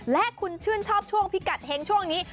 และคุณชื่นชอบช่วงพิกัดเฮงช่วงนี้